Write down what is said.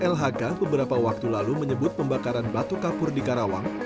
lhk beberapa waktu lalu menyebut pembakaran batu kapur di karawang